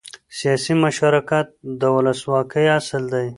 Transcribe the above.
سیاسي مشارکت د ولسواکۍ اصل دی